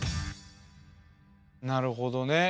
なるほどね。